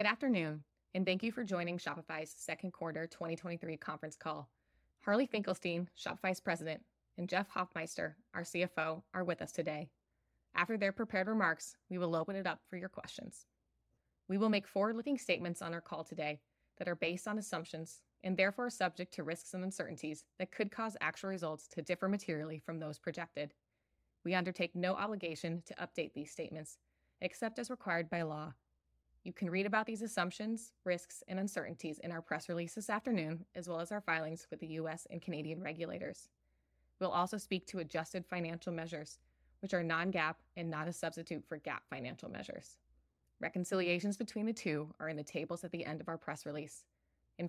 Good afternoon, thank you for joining Shopify's second quarter 2023 conference call. Harley Finkelstein, Shopify's president, and Jeff Hoffmeister, our CFO, are with us today. After their prepared remarks, we will open it up for your questions. We will make forward-looking statements on our call today that are based on assumptions, and therefore are subject to risks and uncertainties that could cause actual results to differ materially from those projected. We undertake no obligation to update these statements, except as required by law. You can read about these assumptions, risks, and uncertainties in our press release this afternoon, as well as our filings with the U.S. and Canadian regulators. We'll also speak to adjusted financial measures, which are non-GAAP and not a substitute for GAAP financial measures. Reconciliations between the two are in the tables at the end of our press release.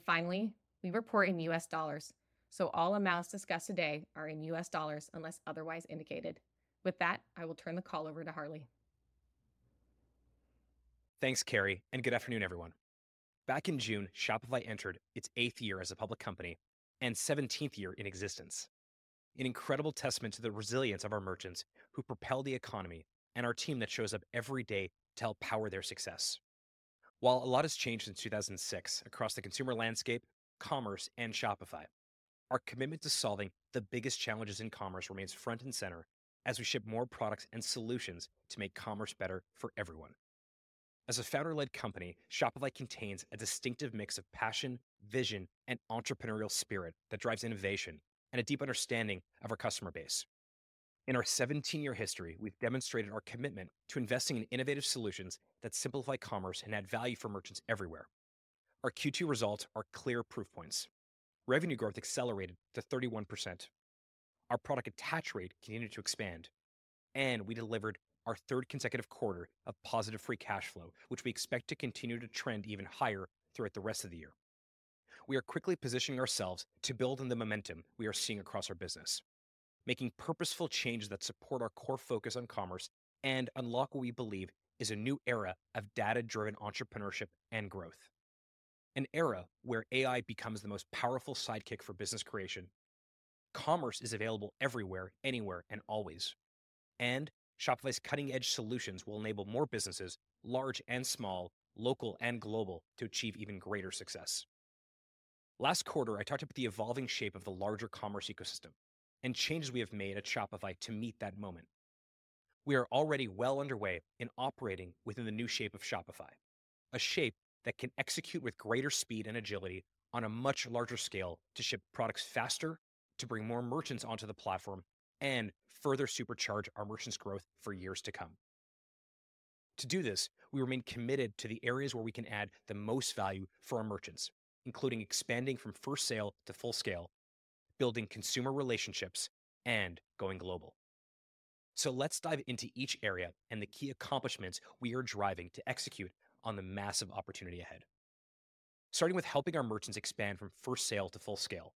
Finally, we report in U.S. dollars, so all amounts discussed today are in U.S. dollars unless otherwise indicated. With that, I will turn the call over to Harley. Thanks, Carrie. Good afternoon, everyone. Back in June, Shopify entered its eighth year as a public company and seventeenth year in existence, an incredible testament to the resilience of our merchants who propel the economy and our team that shows up every day to help power their success. While a lot has changed since 2006 across the consumer landscape, commerce, and Shopify, our commitment to solving the biggest challenges in commerce remains front and center as we ship more products and solutions to make commerce better for everyone. As a founder-led company, Shopify contains a distinctive mix of passion, vision, and entrepreneurial spirit that drives innovation and a deep understanding of our customer base. In our 17-year history, we've demonstrated our commitment to investing in innovative solutions that simplify commerce and add value for merchants everywhere. Our Q2 results are clear proof points. Revenue growth accelerated to 31%. Our product attach rate continued to expand, and we delivered our 3rd consecutive quarter of positive free cash flow, which we expect to continue to trend even higher throughout the rest of the year. We are quickly positioning ourselves to build on the momentum we are seeing across our business, making purposeful changes that support our core focus on commerce and unlock what we believe is a new era of data-driven entrepreneurship and growth. An era where AI becomes the most powerful Sidekick for business creation. Commerce is available everywhere, anywhere, and always, and Shopify's cutting-edge solutions will enable more businesses, large and small, local and global, to achieve even greater success. Last quarter, I talked about the evolving shape of the larger commerce ecosystem and changes we have made at Shopify to meet that moment. We are already well underway in operating within the new shape of Shopify, a shape that can execute with greater speed and agility on a much larger scale to ship products faster, to bring more merchants onto the platform, and further supercharge our merchants' growth for years to come. To do this, we remain committed to the areas where we can add the most value for our merchants, including expanding from first sale to full scale, building consumer relationships, and going global. Let's dive into each area and the key accomplishments we are driving to execute on the massive opportunity ahead. Starting with helping our merchants expand from first sale to full scale,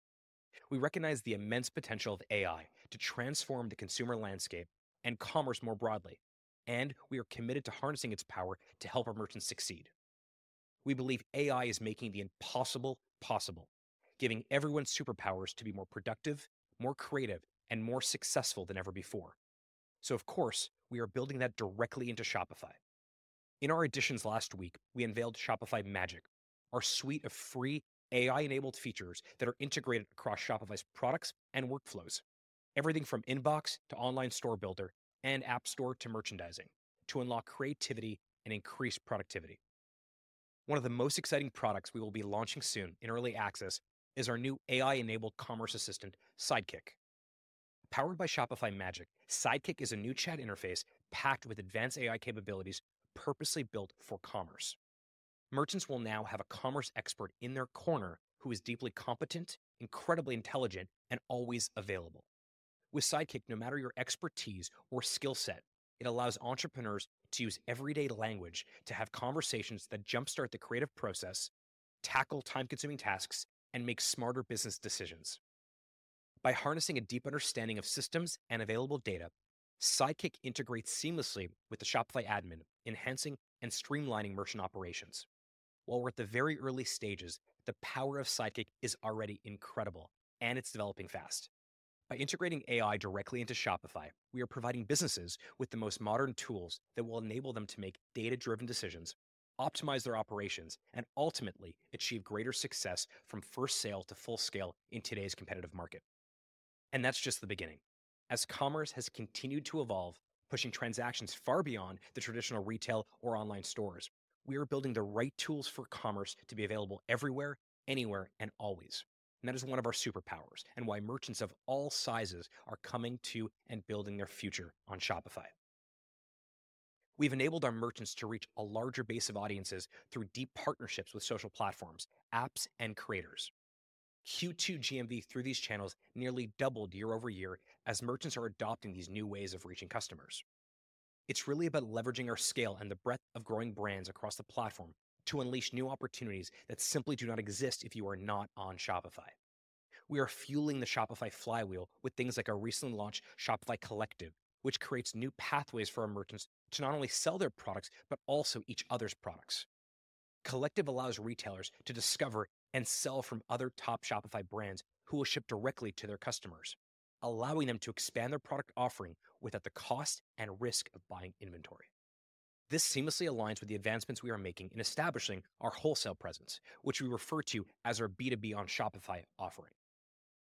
we recognize the immense potential of AI to transform the consumer landscape and commerce more broadly, and we are committed to harnessing its power to help our merchants succeed. We believe AI is making the impossible, possible, giving everyone superpowers to be more productive, more creative, and more successful than ever before. Of course, we are building that directly into Shopify. In our Editions last week, we unveiled Shopify Magic, our suite of free AI-enabled features that are integrated across Shopify's products and workflows. Everything from inbox to online store builder and app store to merchandising, to unlock creativity and increase productivity. One of the most exciting products we will be launching soon in early access is our new AI-enabled commerce assistant, Sidekick. Powered by Shopify Magic, Sidekick is a new chat interface packed with advanced AI capabilities purposely built for commerce. Merchants will now have a commerce expert in their corner who is deeply competent, incredibly intelligent, and always available. With Sidekick, no matter your expertise or skill set, it allows entrepreneurs to use everyday language to have conversations that jumpstart the creative process, tackle time-consuming tasks, and make smarter business decisions. By harnessing a deep understanding of systems and available data, Sidekick integrates seamlessly with the Shopify admin, enhancing and streamlining merchant operations. While we're at the very early stages, the power of Sidekick is already incredible, and it's developing fast. By integrating AI directly into Shopify, we are providing businesses with the most modern tools that will enable them to make data-driven decisions, optimize their operations, and ultimately achieve greater success from first sale to full scale in today's competitive market. That's just the beginning. As commerce has continued to evolve, pushing transactions far beyond the traditional retail or online stores, we are building the right tools for commerce to be available everywhere, anywhere, and always. That is one of our superpowers, and why merchants of all sizes are coming to and building their future on Shopify. We've enabled our merchants to reach a larger base of audiences through deep partnerships with social platforms, apps, and creators. Q2 GMV through these channels nearly doubled year-over-year as merchants are adopting these new ways of reaching customers. It's really about leveraging our scale and the breadth of growing brands across the platform to unleash new opportunities that simply do not exist if you are not on Shopify. We are fueling the Shopify flywheel with things like our recently launched Shopify Collective, which creates new pathways for our merchants to not only sell their products, but also each other's products. Collective allows retailers to discover and sell from other top Shopify brands who will ship directly to their customers. allowing them to expand their product offering without the cost and risk of buying inventory. This seamlessly aligns with the advancements we are making in establishing our wholesale presence, which we refer to as our B2B on Shopify offering.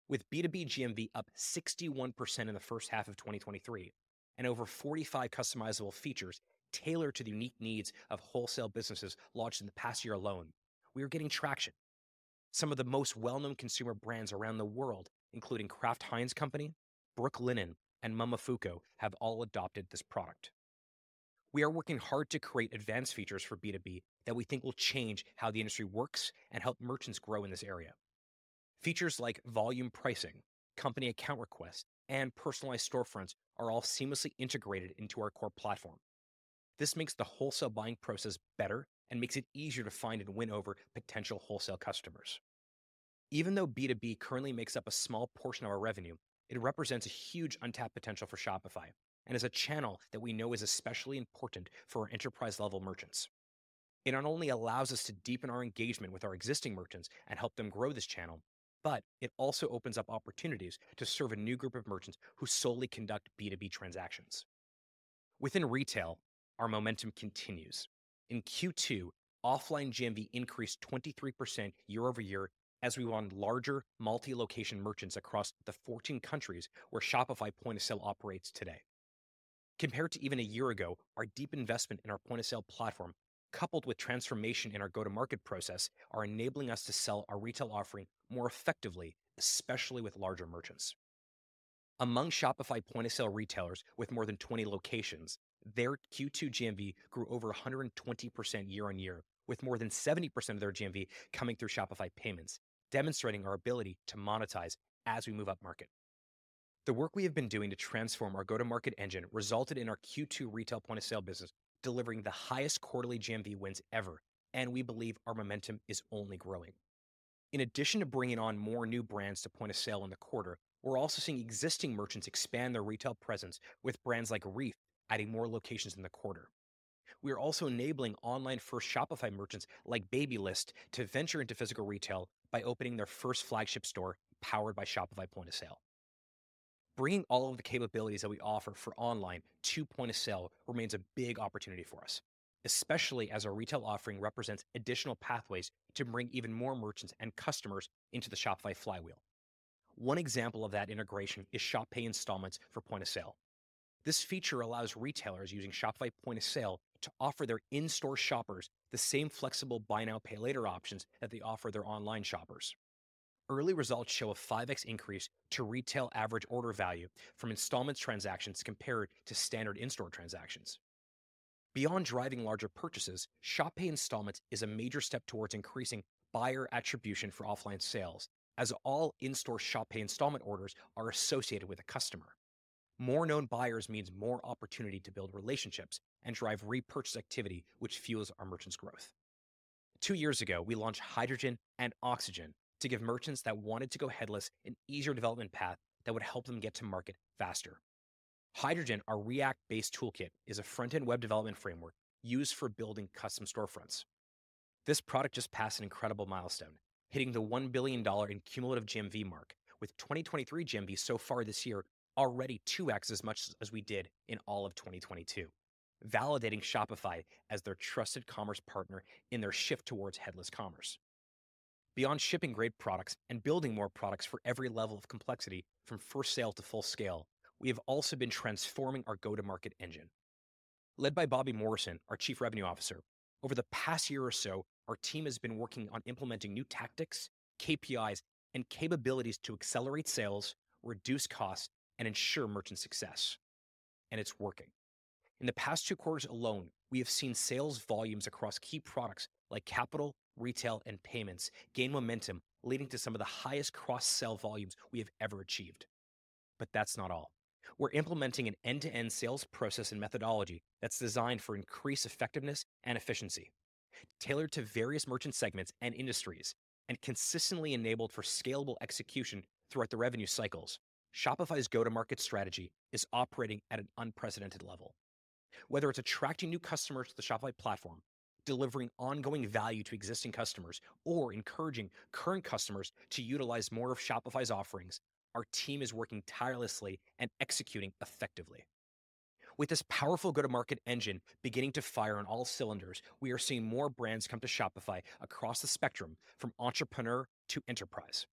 With B2B GMV up 61% in the first half of 2023, and over 45 customizable features tailored to the unique needs of wholesale businesses launched in the past year alone, we are getting traction. Some of the most well-known consumer brands around the world, including Kraft Heinz Company, Brooklinen, and Momofuku, have all adopted this product. We are working hard to create advanced features for B2B that we think will change how the industry works and help merchants grow in this area. Features like volume pricing, company account requests, and personalized storefronts are all seamlessly integrated into our core platform. This makes the wholesale buying process better and makes it easier to find and win over potential wholesale customers. Even though B2B currently makes up a small portion of our revenue, it represents a huge untapped potential for Shopify and is a channel that we know is especially important for our enterprise-level merchants. It not only allows us to deepen our engagement with our existing merchants and help them grow this channel, but it also opens up opportunities to serve a new group of merchants who solely conduct B2B transactions. Within retail, our momentum continues. In Q2, offline GMV increased 23% year-over-year as we won larger multi-location merchants across the 14 countries where Shopify point-of-sale operates today. Compared to even a year ago, our deep investment in our point-of-sale platform, coupled with transformation in our go-to-market process, are enabling us to sell our retail offering more effectively, especially with larger merchants. Among Shopify point-of-sale retailers with more than 20 locations, their Q2 GMV grew over 120% year-over-year, with more than 70% of their GMV coming through Shopify Payments, demonstrating our ability to monetize as we move upmarket. The work we have been doing to transform our go-to-market engine resulted in our Q2 retail point-of-sale business, delivering the highest quarterly GMV wins ever, and we believe our momentum is only growing. In addition to bringing on more new brands to point-of-sale in the quarter, we're also seeing existing merchants expand their retail presence, with brands like REEF adding more locations in the quarter. We are also enabling online-first Shopify merchants, like Babylist, to venture into physical retail by opening their first flagship store, powered by Shopify Plus point-of-sale. Bringing all of the capabilities that we offer for online to point-of-sale remains a big opportunity for us, especially as our retail offering represents additional pathways to bring even more merchants and customers into the Shopify flywheel. One example of that integration is Shop Pay Installments for point-of-sale. This feature allows retailers using Shopify point-of-sale to offer their in-store shoppers the same flexible buy now, pay later options that they offer their online shoppers. Early results show a 5x increase to retail average order value from Installments transactions compared to standard in-store transactions. Beyond driving larger purchases, Shop Pay Installments is a major step towards increasing buyer attribution for offline sales, as all in-store Shop Pay Installment orders are associated with a customer. More known buyers means more opportunity to build relationships and drive repurchase activity, which fuels our merchants' growth. Two years ago, we launched Hydrogen and Oxygen to give merchants that wanted to go headless an easier development path that would help them get to market faster. Hydrogen, our React-based toolkit, is a front-end web development framework used for building custom storefronts. This product just passed an incredible milestone, hitting the $1 billion in cumulative GMV mark, with 2023 GMV so far this year already 2x as much as we did in all of 2022, validating Shopify as their trusted commerce partner in their shift towards headless commerce. Beyond shipping great products and building more products for every level of complexity, from first sale to full scale, we have also been transforming our go-to-market engine. Led by Bobby Morrison, our Chief Revenue Officer, over the past year or so, our team has been working on implementing new tactics, KPIs, and capabilities to accelerate sales, reduce costs, and ensure merchant success. It's working. In the past two quarters alone, we have seen sales volumes across key products like capital, retail, and payments gain momentum, leading to some of the highest cross-sell volumes we have ever achieved. That's not all. We're implementing an end-to-end sales process and methodology that's designed for increased effectiveness and efficiency, tailored to various merchant segments and industries, and consistently enabled for scalable execution throughout the revenue cycles. Shopify's go-to-market strategy is operating at an unprecedented level. Whether it's attracting new customers to the Shopify platform, delivering ongoing value to existing customers, or encouraging current customers to utilize more of Shopify's offerings, our team is working tirelessly and executing effectively. With this powerful go-to-market engine beginning to fire on all cylinders, we are seeing more brands come to Shopify across the spectrum, from entrepreneur to enterprise.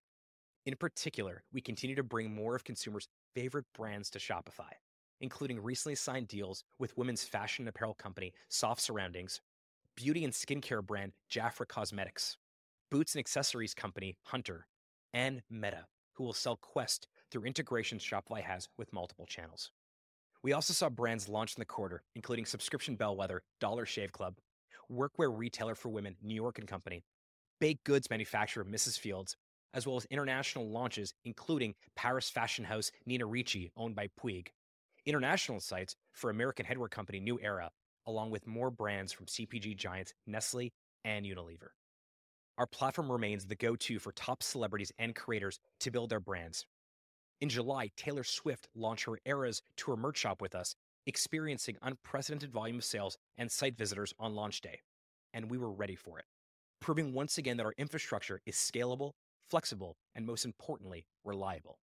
In particular, we continue to bring more of consumers' favorite brands to Shopify, including recently signed deals with women's fashion and apparel company, Soft Surroundings, beauty and skincare brand, JAFRA Cosmetics, boots and accessories company, Hunter, and Meta, who will sell Quest through integrations Shopify has with multiple channels. We also saw brands launch in the quarter, including subscription bellwether, Dollar Shave Club, workwear retailer for women, New York & Company, baked goods manufacturer, Mrs. Fields, as well as international launches, including Paris Fashion House, Nina Ricci, owned by Puig, international sites for American headwear company, New Era, along with more brands from CPG giants Nestlé and Unilever. Our platform remains the go-to for top celebrities and creators to build their brands. In July, Taylor Swift launched her Eras Tour merch shop with us, experiencing unprecedented volume of sales and site visitors on launch day. We were ready for it, proving once again that our infrastructure is scalable, flexible, and most importantly, reliable.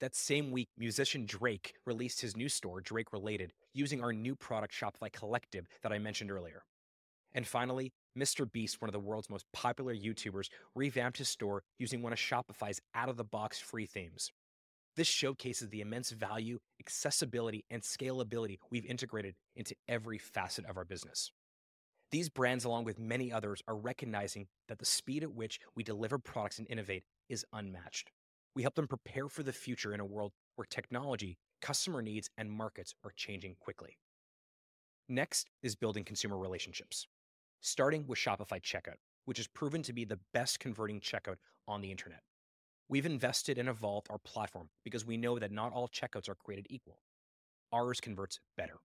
That same week, musician Drake released his new store, Drake Related, using our new product, Shopify Collective, that I mentioned earlier. Finally, MrBeast, one of the world's most popular YouTubers, revamped his store using one of Shopify's out-of-the-box free themes. This showcases the immense value, accessibility, and scalability we've integrated into every facet of our business. These brands, along with many others, are recognizing that the speed at which we deliver products and innovate is unmatched. We help them prepare for the future in a world where technology, customer needs, and markets are changing quickly. Next is building consumer relationships, starting with Shopify Checkout, which has proven to be the best-converting checkout on the internet. We've invested and evolved our platform because we know that not all checkouts are created equal. Ours converts better.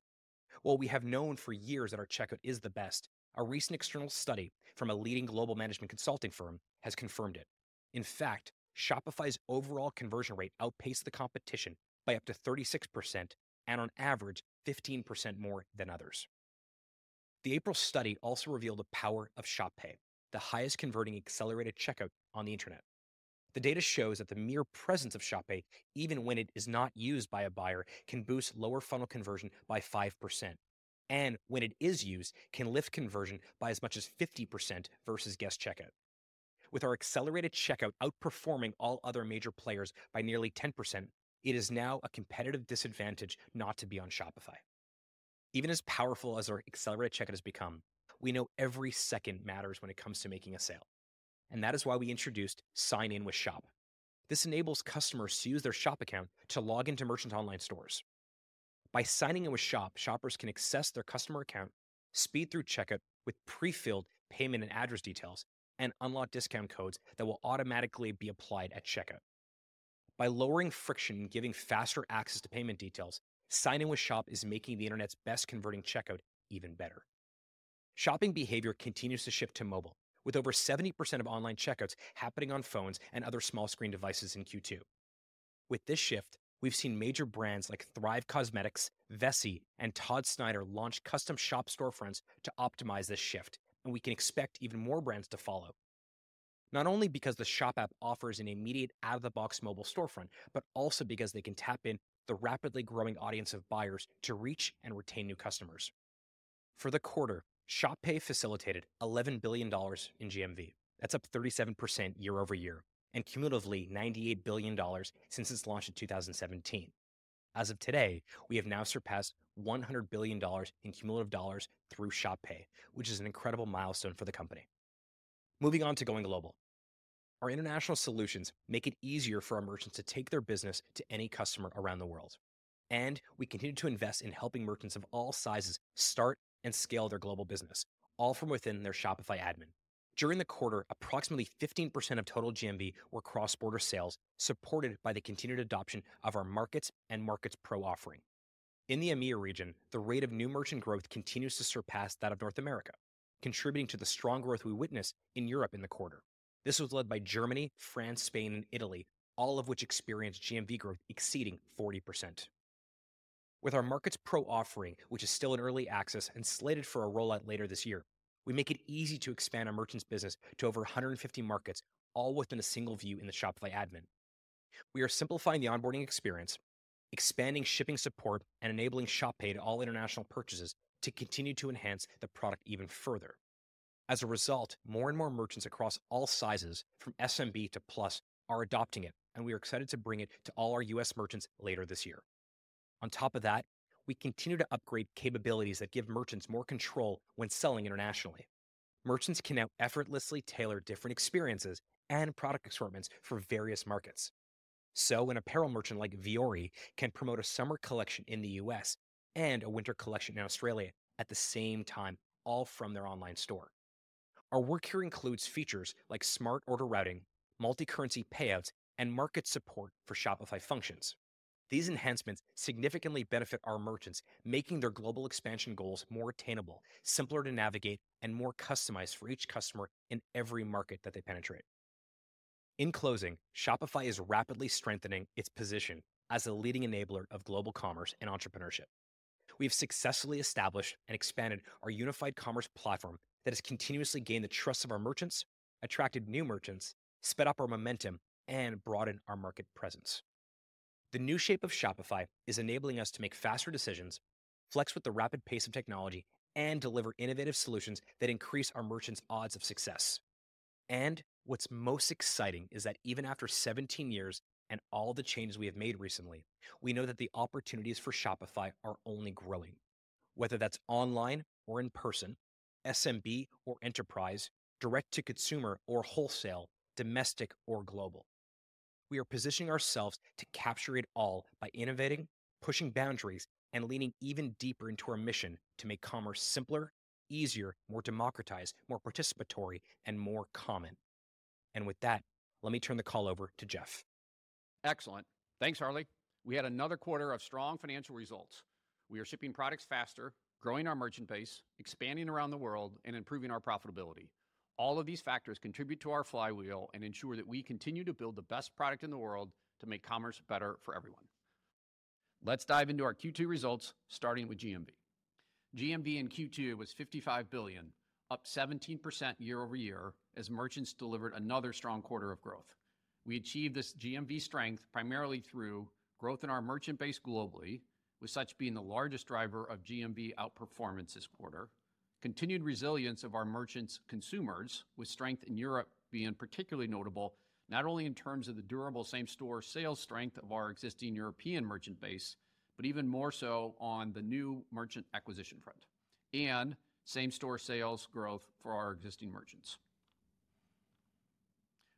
While we have known for years that our checkout is the best, a recent external study from a leading global management consulting firm has confirmed it. In fact, Shopify's overall conversion rate outpaced the competition by up to 36%, and on average, 15% more than others. The April study also revealed the power of Shop Pay, the highest-converting accelerated checkout on the internet. The data shows that the mere presence of Shop Pay, even when it is not used by a buyer, can boost lower funnel conversion by 5%, and when it is used, can lift conversion by as much as 50% versus guest checkout. With our accelerated checkout outperforming all other major players by nearly 10%, it is now a competitive disadvantage not to be on Shopify. Even as powerful as our accelerated checkout has become, we know every second matters when it comes to making a sale, that is why we introduced Sign in with Shop. This enables customers to use their Shop account to log into merchant online stores. By signing in with Shop, shoppers can access their customer account, speed through checkout with pre-filled payment and address details, and unlock discount codes that will automatically be applied at checkout. By lowering friction and giving faster access to payment details, Sign in with Shop is making the internet's best-converting checkout even better. Shopping behavior continues to shift to mobile, with over 70% of online checkouts happening on phones and other small screen devices in Q2. With this shift, we've seen major brands like Thrive Causemetics, Vessi, and Todd Snyder launch custom Shop storefronts to optimize this shift. We can expect even more brands to follow. Not only because the Shop app offers an immediate, out-of-the-box mobile storefront, but also because they can tap in the rapidly growing audience of buyers to reach and retain new customers. For the quarter, Shop Pay facilitated $11 billion in GMV. That's up 37% year-over-year, and cumulatively, $98 billion since its launch in 2017. As of today, we have now surpassed $100 billion in cumulative dollars through Shop Pay, which is an incredible milestone for the company. Moving on to going global. Our international solutions make it easier for our merchants to take their business to any customer around the world, and we continue to invest in helping merchants of all sizes start and scale their global business, all from within their Shopify admin. During the quarter, approximately 15% of total GMV were cross-border sales, supported by the continued adoption of our markets and Markets Pro offering. In the EMEA region, the rate of new merchant growth continues to surpass that of North America, contributing to the strong growth we witnessed in Europe in the quarter. This was led by Germany, France, Spain, and Italy, all of which experienced GMV growth exceeding 40%. With our Markets Pro offering, which is still in early access and slated for a rollout later this year, we make it easy to expand our merchants' business to over 150 markets, all within a single view in the Shopify admin. We are simplifying the onboarding experience, expanding shipping support, and enabling Shop Pay to all international purchases to continue to enhance the product even further. As a result, more and more merchants across all sizes, from SMB to Plus, are adopting it, and we are excited to bring it to all our U.S. merchants later this year. On top of that, we continue to upgrade capabilities that give merchants more control when selling internationally. Merchants can now effortlessly tailor different experiences and product assortments for various markets. An apparel merchant like Vuori can promote a summer collection in the U.S. and a winter collection in Australia at the same time, all from their online store. Our work here includes features like smart order routing, multi-currency payouts, and market support for Shopify Functions. These enhancements significantly benefit our merchants, making their global expansion goals more attainable, simpler to navigate, and more customized for each customer in every market that they penetrate. In closing, Shopify is rapidly strengthening its position as a leading enabler of global commerce and entrepreneurship. We have successfully established and expanded our unified commerce platform that has continuously gained the trust of our merchants, attracted new merchants, sped up our momentum, and broadened our market presence. The new shape of Shopify is enabling us to make faster decisions, flex with the rapid pace of technology, and deliver innovative solutions that increase our merchants' odds of success. What's most exciting is that even after 17 years and all the changes we have made recently, we know that the opportunities for Shopify are only growing. Whether that's online or in person, SMB or enterprise, direct-to-consumer or wholesale, domestic or global, we are positioning ourselves to capture it all by innovating, pushing boundaries, and leaning even deeper into our mission to make commerce simpler, easier, more democratized, more participatory, and more common. With that, let me turn the call over to Jeff. Excellent. Thanks, Harley. We had another quarter of strong financial results. We are shipping products faster, growing our merchant base, expanding around the world, and improving our profitability. All of these factors contribute to our flywheel and ensure that we continue to build the best product in the world to make commerce better for everyone. Let's dive into our Q2 results, starting with GMV. GMV in Q2 was $55 billion, up 17% year-over-year, as merchants delivered another strong quarter of growth. We achieved this GMV strength primarily through growth in our merchant base globally, with such being the largest driver of GMV outperformance this quarter, continued resilience of our merchants' consumers, with strength in Europe being particularly notable, not only in terms of the durable same-store sales strength of our existing European merchant base, but even more so on the new merchant acquisition front, and same-store sales growth for our existing merchants.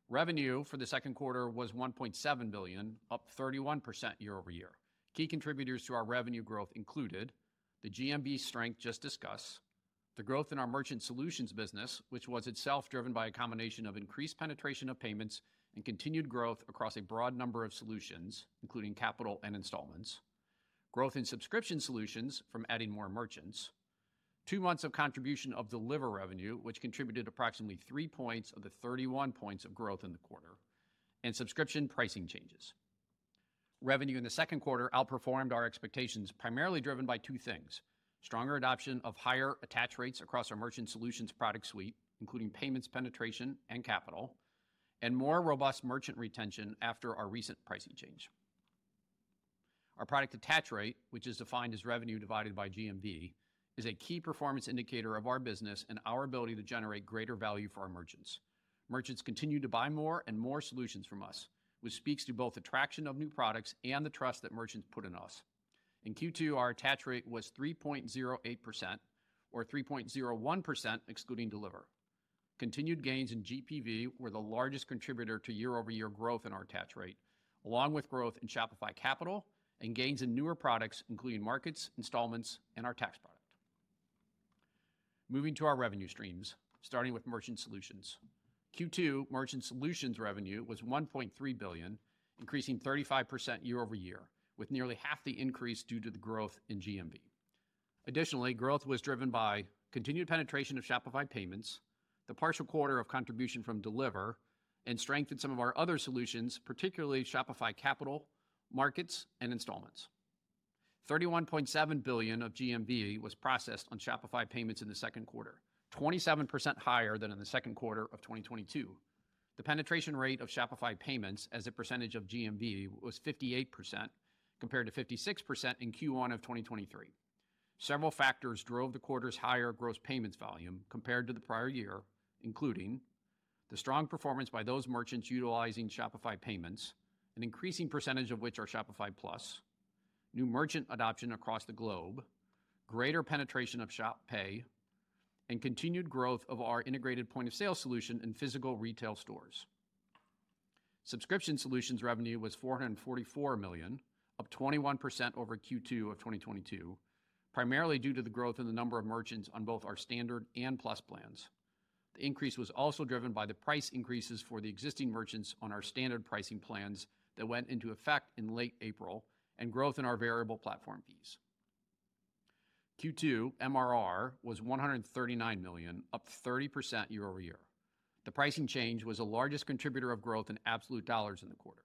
Revenue for the second quarter was $1.7 billion, up 31% year-over-year. Key contributors to our revenue growth included the GMV strength just discussed, the growth in our merchant solutions business, which was itself driven by a combination of increased penetration of payments and continued growth across a broad number of solutions, including capital and installments, growth in subscription solutions from adding more merchants, two months of contribution of Deliver revenue, which contributed approximately 3 points of the 31 points of growth in the quarter, and subscription pricing changes. Revenue in the second quarter outperformed our expectations, primarily driven by 2 things: stronger adoption of higher attach rates across our merchant solutions product suite, including payments, penetration, and capital, and more robust merchant retention after our recent pricing change. Our product attach rate, which is defined as revenue divided by GMV, is a key performance indicator of our business and our ability to generate greater value for our merchants. Merchants continue to buy more and more solutions from us, which speaks to both the traction of new products and the trust that merchants put in us. In Q2, our attach rate was 3.08%, or 3.01%, excluding Deliverr. Continued gains in GPV were the largest contributor to year-over-year growth in our attach rate, along with growth in Shopify Capital and gains in newer products, including Markets, Installments, and our tax product. Moving to our revenue streams, starting with merchant solutions. Q2 Merchant Solutions revenue was $1.3 billion, increasing 35% year-over-year, with nearly half the increase due to the growth in GMV. Additionally, growth was driven by continued penetration of Shopify Payments, the partial quarter of contribution from Deliverr, and strength in some of our other solutions, particularly Shopify Capital, Markets, and Installments. $31.7 billion of GMV was processed on Shopify Payments in the second quarter, 27% higher than in the second quarter of 2022. The penetration rate of Shopify Payments as a percentage of GMV was 58%, compared to 56% in Q1 of 2023. Several factors drove the quarter's higher gross payments volume compared to the prior year, including the strong performance by those merchants utilizing Shopify Payments, an increasing percentage of which are Shopify Plus, new merchant adoption across the globe, greater penetration of Shop Pay, and continued growth of our integrated point-of-sale solution in physical retail stores. Subscription solutions revenue was $444 million, up 21% over Q2 of 2022, primarily due to the growth in the number of merchants on both our Standard and Plus plans. The increase was also driven by the price increases for the existing merchants on our standard pricing plans that went into effect in late April and growth in our variable platform fees. Q2 MRR was $139 million, up 30% year-over-year. The pricing change was the largest contributor of growth in absolute dollars in the quarter.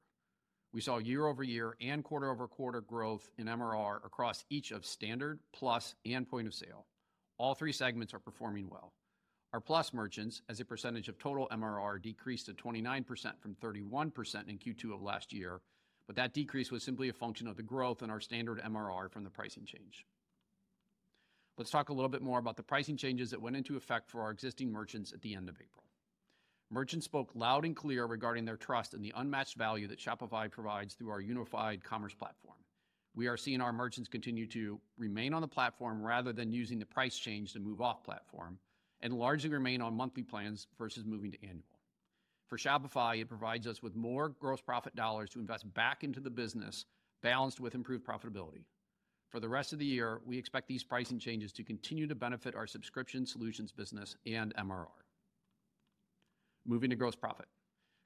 We saw year-over-year and quarter-over-quarter growth in MRR across each of Standard, Plus, and Point-of-Sale. All three segments are performing well. Our Plus merchants, as a percentage of total MRR, decreased to 29% from 31% in Q2 of last year, but that decrease was simply a function of the growth in our standard MRR from the pricing change. Let's talk a little bit more about the pricing changes that went into effect for our existing merchants at the end of April. Merchants spoke loud and clear regarding their trust in the unmatched value that Shopify provides through our unified commerce platform. We are seeing our merchants continue to remain on the platform rather than using the price change to move off platform and largely remain on monthly plans versus moving to annual. For Shopify, it provides us with more gross profit dollars to invest back into the business, balanced with improved profitability. For the rest of the year, we expect these pricing changes to continue to benefit our subscription solutions business and MRR. Moving to gross profit.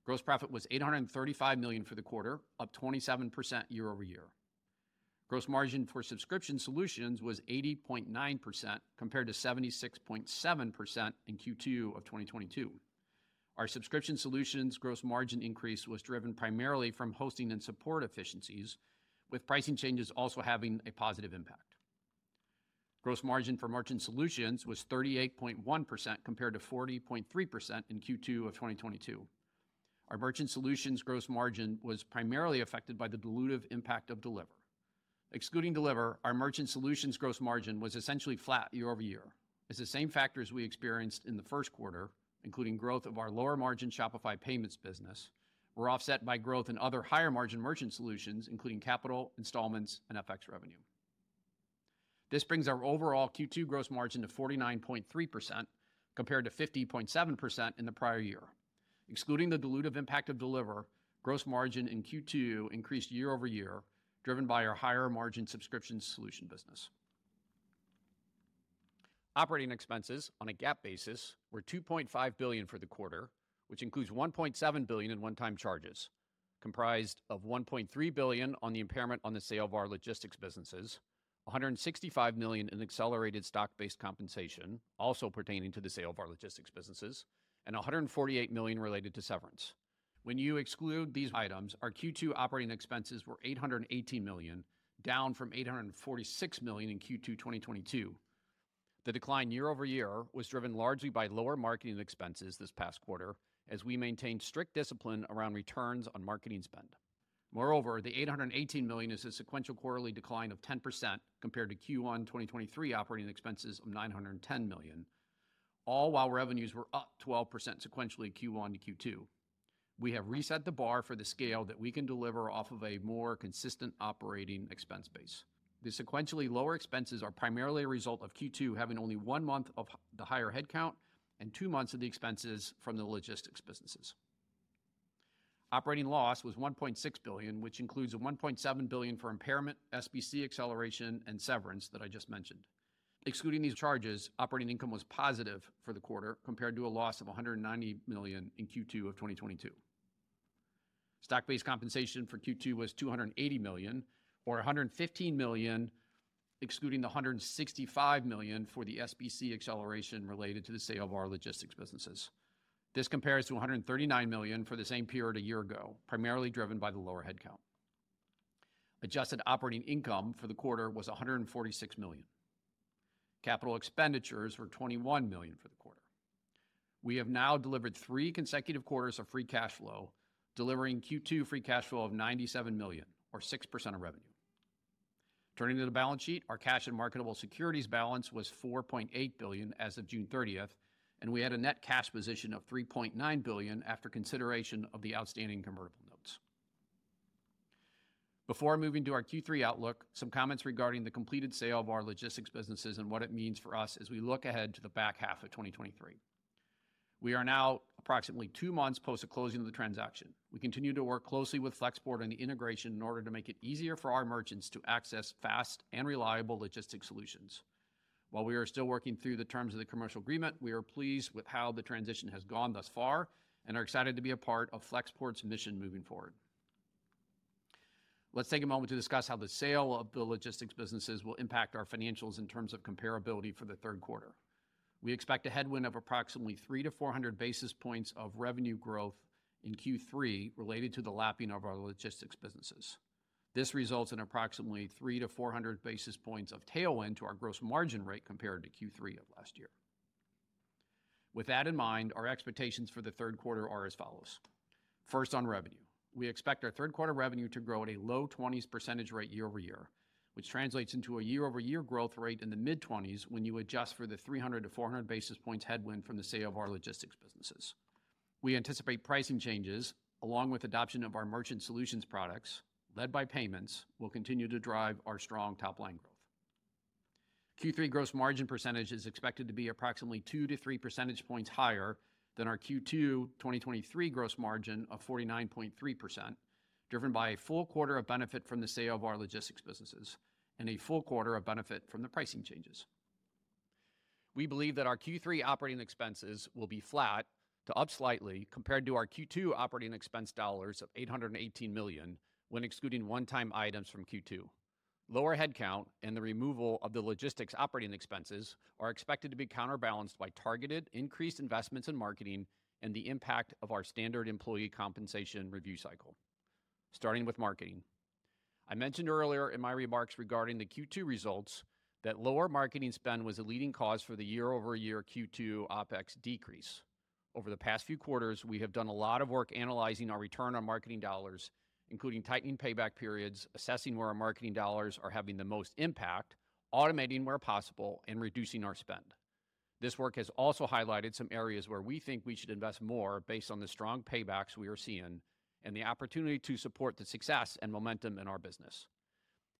Gross profit was $835 million for the quarter, up 27% year-over-year. Gross margin for subscription solutions was 80.9%, compared to 76.7% in Q2 of 2022. Our subscription solutions gross margin increase was driven primarily from hosting and support efficiencies, with pricing changes also having a positive impact. Gross margin for merchant solutions was 38.1%, compared to 40.3% in Q2 of 2022. Our merchant solutions gross margin was primarily affected by the dilutive impact of Deliverr. Excluding Deliverr, our merchant solutions gross margin was essentially flat year-over-year, as the same factors we experienced in the first quarter, including growth of our lower-margin Shopify Payments business, were offset by growth in other higher-margin merchant solutions, including Capital, Installments, and FX revenue. This brings our overall Q2 gross margin to 49.3%, compared to 50.7% in the prior year. Excluding the dilutive impact of Deliverr, gross margin in Q2 increased year-over-year, driven by our higher-margin subscription solution business. OpEx on a GAAP basis were $2.5 billion for the quarter, which includes $1.7 billion in one-time charges, comprised of $1.3 billion on the impairment on the sale of our logistics businesses, $165 million in accelerated SBC, also pertaining to the sale of our logistics businesses, and $148 million related to severance. When you exclude these items, our Q2 OpEx were $818 million, down from $846 million in Q2 2022. The decline year-over-year was driven largely by lower marketing expenses this past quarter, as we maintained strict discipline around returns on marketing spend. Moreover, the $818 million is a sequential quarterly decline of 10% compared to Q1 2023 operating expenses of $910 million, all while revenues were up 12% sequentially Q1 to Q2. We have reset the bar for the scale that we can deliver off of a more consistent operating expense base. The sequentially lower expenses are primarily a result of Q2 having only one month of the higher headcount and two months of the expenses from the logistics businesses. Operating loss was $1.6 billion, which includes a $1.7 billion for impairment, SBC acceleration, and severance that I just mentioned. Excluding these charges, operating income was positive for the quarter, compared to a loss of $190 million in Q2 of 2022. Stock-based compensation for Q2 was $280 million, or $115 million, excluding the $165 million for the SBC acceleration related to the sale of our logistics businesses. This compares to $139 million for the same period a year ago, primarily driven by the lower headcount. Adjusted operating income for the quarter was $146 million. Capital expenditures were $21 million for the quarter. We have now delivered three consecutive quarters of free cash flow, delivering Q2 free cash flow of $97 million, or 6% of revenue. Turning to the balance sheet, our cash and marketable securities balance was $4.8 billion as of June 30th, we had a net cash position of $3.9 billion after consideration of the outstanding convertible notes. Before moving to our Q3 outlook, some comments regarding the completed sale of our logistics businesses and what it means for us as we look ahead to the back half of 2023. We are now approximately two months post the closing of the transaction. We continue to work closely with Flexport on the integration in order to make it easier for our merchants to access fast and reliable logistics solutions. While we are still working through the terms of the commercial agreement, we are pleased with how the transition has gone thus far and are excited to be a part of Flexport's mission moving forward. Let's take a moment to discuss how the sale of the logistics businesses will impact our financials in terms of comparability for the third quarter. We expect a headwind of approximately 300-400 basis points of revenue growth in Q3 related to the lapping of our logistics businesses. This results in approximately 300-400 basis points of tailwind to our gross margin rate compared to Q3 of last year. With that in mind, our expectations for the third quarter are as follows: First, on revenue. We expect our third quarter revenue to grow at a low 20s % rate year-over-year, which translates into a year-over-year growth rate in the mid-20s when you adjust for the 300-400 basis points headwind from the sale of our logistics businesses. We anticipate pricing changes, along with adoption of our merchant solutions products, led by payments, will continue to drive our strong top-line growth. Q3 gross margin percentage is expected to be approximately 2-3 percentage points higher than our Q2 2023 gross margin of 49.3%, driven by a full quarter of benefit from the sale of our logistics businesses and a full quarter of benefit from the pricing changes. We believe that our Q3 operating expenses will be flat to up slightly compared to our Q2 operating expense dollars of $818 million, when excluding one-time items from Q2. Lower headcount and the removal of the logistics operating expenses are expected to be counterbalanced by targeted increased investments in marketing and the impact of our standard employee compensation review cycle. Starting with marketing. I mentioned earlier in my remarks regarding the Q2 results, that lower marketing spend was a leading cause for the year-over-year Q2 OpEx decrease. Over the past few quarters, we have done a lot of work analyzing our return on marketing dollars, including tightening payback periods, assessing where our marketing dollars are having the most impact, automating where possible, and reducing our spend. This work has also highlighted some areas where we think we should invest more based on the strong paybacks we are seeing and the opportunity to support the success and momentum in our business.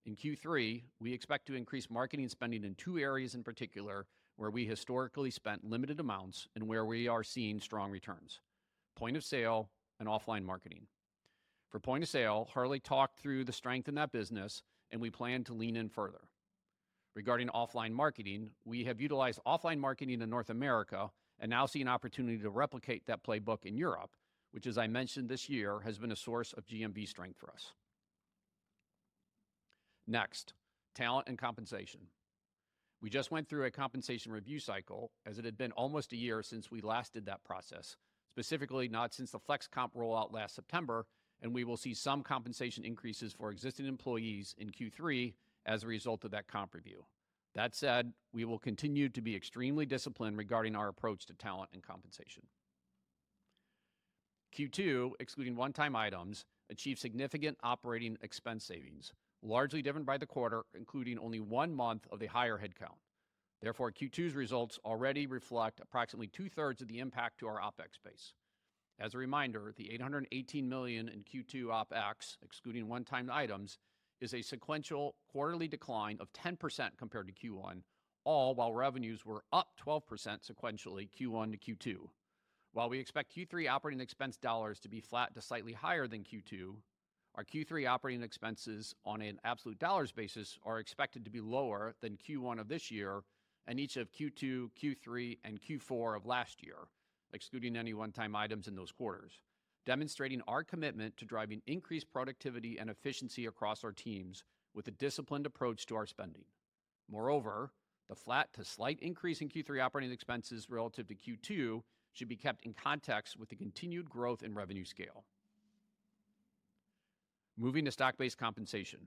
In Q3, we expect to increase marketing spending in two areas in particular, where we historically spent limited amounts and where we are seeing strong returns: point of sale and offline marketing. For point of sale, Harley talked through the strength in that business, and we plan to lean in further. Regarding offline marketing, we have utilized offline marketing in North America and now see an opportunity to replicate that playbook in Europe, which, as I mentioned, this year, has been a source of GMV strength for us. Talent and compensation. We just went through a compensation review cycle, as it had been almost a year since we last did that process, specifically, not since the FlexComp rollout last September, and we will see some compensation increases for existing employees in Q3 as a result of that comp review. That said, we will continue to be extremely disciplined regarding our approach to talent and compensation. Q2, excluding one-time items, achieved significant operating expense savings, largely driven by the quarter, including only one month of the higher headcount. Q2's results already reflect approximately 2/3 of the impact to our OpEx base. As a reminder, the $818 million in Q2 OpEx, excluding one-time items, is a sequential quarterly decline of 10% compared to Q1, all while revenues were up 12% sequentially Q1 to Q2. While we expect Q3 operating expense dollars to be flat to slightly higher than Q2, our Q3 operating expenses on an absolute dollars basis are expected to be lower than Q1 of this year and each of Q2, Q3, and Q4 of last year, excluding any one-time items in those quarters, demonstrating our commitment to driving increased productivity and efficiency across our teams with a disciplined approach to our spending. Moreover, the flat to slight increase in Q3 operating expenses relative to Q2 should be kept in context with the continued growth in revenue scale. Moving to stock-based compensation.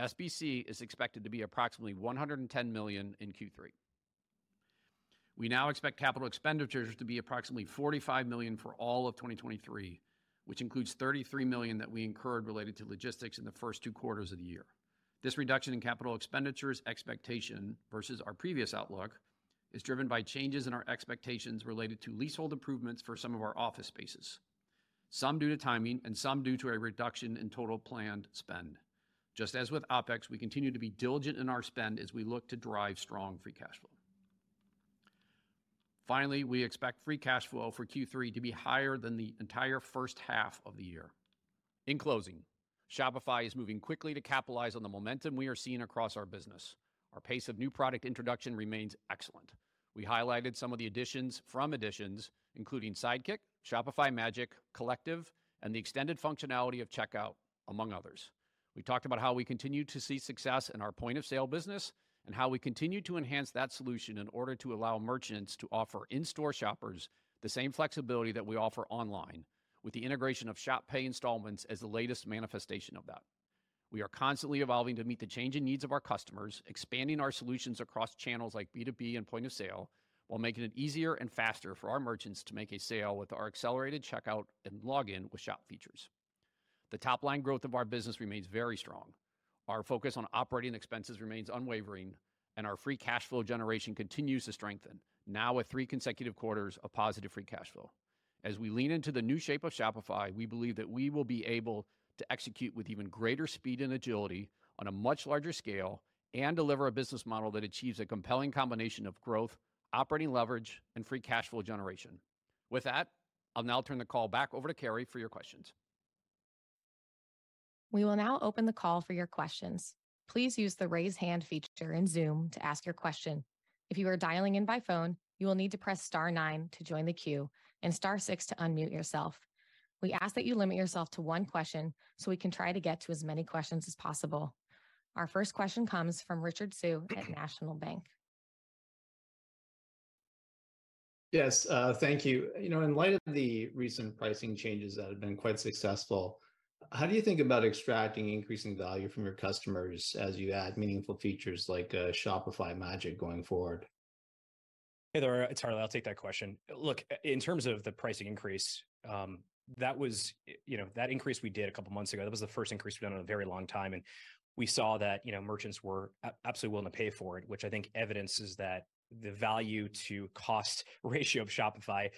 SBC is expected to be approximately $110 million in Q3. We now expect capital expenditures to be approximately $45 million for all of 2023, which includes $33 million that we incurred related to logistics in the first two quarters of the year. This reduction in capital expenditures expectation versus our previous outlook is driven by changes in our expectations related to leasehold improvements for some of our office spaces. Some due to timing and some due to a reduction in total planned spend. Just as with OpEx, we continue to be diligent in our spend as we look to drive strong free cash flow. Finally, we expect free cash flow for Q3 to be higher than the entire first half of the year. In closing, Shopify is moving quickly to capitalize on the momentum we are seeing across our business. Our pace of new product introduction remains excellent. We highlighted some of the additions from additions, including Sidekick, Shopify Magic, Collective, and the extended functionality of Checkout, among others. We talked about how we continue to see success in our point-of-sale business and how we continue to enhance that solution in order to allow merchants to offer in-store shoppers the same flexibility that we offer online, with the integration of Shop Pay Installments as the latest manifestation of that. We are constantly evolving to meet the changing needs of our customers, expanding our solutions across channels like B2B and point of sale, while making it easier and faster for our merchants to make a sale with our accelerated checkout and login with Shop features. The top-line growth of our business remains very strong. Our focus on operating expenses remains unwavering, and our free cash flow generation continues to strengthen, now with three consecutive quarters of positive free cash flow. As we lean into the new shape of Shopify, we believe that we will be able to execute with even greater speed and agility on a much larger scale, and deliver a business model that achieves a compelling combination of growth, operating leverage, and free cash flow generation. With that, I'll now turn the call back over to Carrie for your questions. We will now open the call for your questions. Please use the Raise Hand feature in Zoom to ask your question. If you are dialing in by phone, you will need to press star nine to join the queue and star six to unmute yourself. We ask that you limit yourself to one question, so we can try to get to as many questions as possible. Our first question comes from Richard Tse at National Bank. Yes, thank you. You know, in light of the recent pricing changes that have been quite successful, how do you think about extracting increasing value from your customers as you add meaningful features like Shopify Magic going forward? Hey there, it's Harley. I'll take that question. Look, in terms of the pricing increase, that was, you know, that increase we did a couple of months ago, that was the first increase we've done in a very long time, and we saw that, you know, merchants were absolutely willing to pay for it, which I think evidences that the value to cost ratio of Shopify,